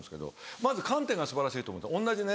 まず観点が素晴らしいと思って同じね